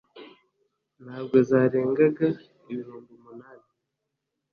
ntabwo zarengaga ibihumbi umunani